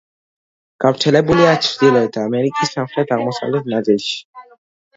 გავრცელებულია ჩრდილოეთ ამერიკის სამხრეთ-აღმოსავლეთ ნაწილში.